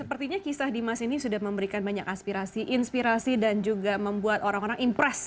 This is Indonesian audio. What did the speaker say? sepertinya kisah dimas ini sudah memberikan banyak aspirasi inspirasi dan juga membuat orang orang impress